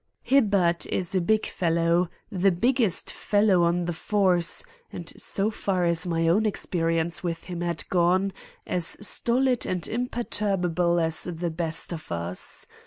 Hibbard is a big fellow, the biggest fellow on the force, and so far as my own experience with him had gone, as stolid and imperturbable as the best of us.